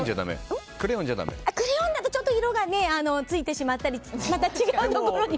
クレヨンだと色がついてしまったりまた違うところに。